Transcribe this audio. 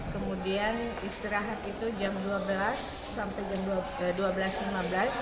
kemudian istirahat itu jam dua belas sampai jam dua belas lima belas